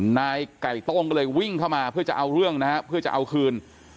นายไก่โต้งก็เลยวิ่งเข้ามาเพื่อจะเอาเรื่องนะฮะเพื่อจะเอาคืน